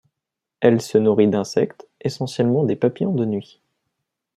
Elle se nourrit d'insectes, essentiellement des papillons de nuit.